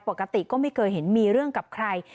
ปกติก็ไม่เคยเห็นมีเรื่องกับใคร